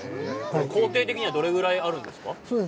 工程的にはどれぐらいあるんですか？